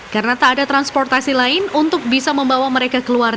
karena tak ada transportasi lain untuk bisa membawa mereka keluar